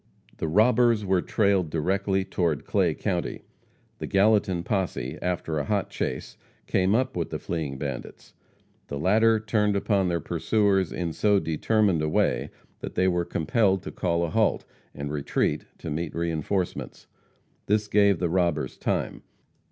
The robbers were trailed directly toward Clay county. The Gallatin posse, after a hot chase, came up with the fleeing bandits. The latter turned upon their pursuers in so determined a way that they were compelled to call a halt, and retreat to meet reinforcements. This gave the robbers time.